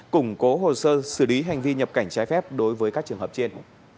củng cố hồ sơ xử lý hành vi nhập cảnh trái phép đối với các trường hợp trên